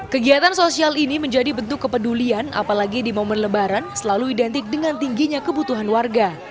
kegiatan sosial ini menjadi bentuk kepedulian apalagi di momen lebaran selalu identik dengan tingginya kebutuhan warga